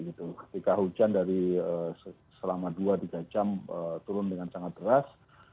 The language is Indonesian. ketika hujan dari selama dua tiga jam turun dengan sangat deras